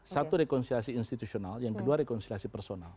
satu rekonsiliasi institusional yang kedua rekonsiliasi personal